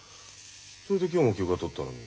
それで今日も休暇取ったのに。